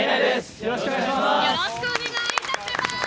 よろしくお願いします。